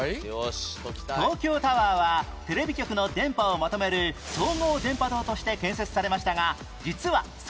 東京タワーはテレビ局の電波をまとめる総合電波塔として建設されましたが実はそれ以外にも